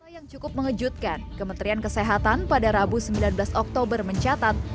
yang cukup mengejutkan kementerian kesehatan pada rabu sembilan belas oktober mencatat